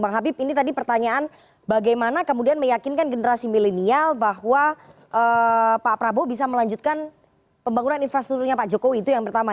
bang habib ini tadi pertanyaan bagaimana kemudian meyakinkan generasi milenial bahwa pak prabowo bisa melanjutkan pembangunan infrastrukturnya pak jokowi itu yang pertama